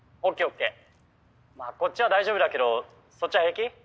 まあこっちは大丈夫だけどそっちは平気？